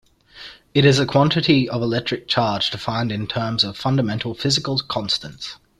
It is a quantity of electric charge defined in terms of fundamental physical constants.